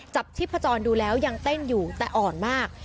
ชีพจรดูแล้วยังเต้นอยู่แต่อ่อนมาก